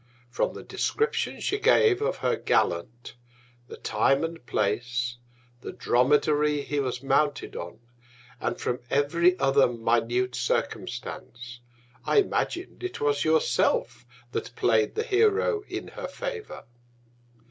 From the Description she gave of her Gallant, the Time and Place, the Dromedary he was mounted on, and from every other minute Circumstance, I imagin'd it was your self that play'd the Hero in her Favour.